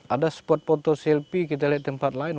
ada spot foto selfie kita lihat tempat lain